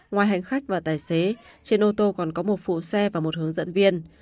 ngoài hành khách và tài xế trên ô tô còn có một phụ xe và một hướng dẫn viên